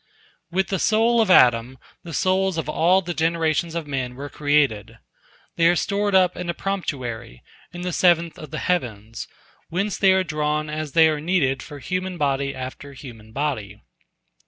With the soul of Adam the souls of all the generations of men were created. They are stored up in a promptuary, in the seventh of the heavens, whence they are drawn as they are needed for human body after human body.